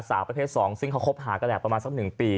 สาวประเภทสองซึ่งเขาคบหากระแหลกประมาณสักหนึ่งปี